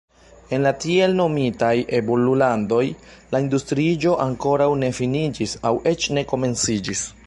En la tiel nomitaj evolulandoj la industriiĝo ankoraŭ ne finiĝis aŭ eĉ ne komenciĝis.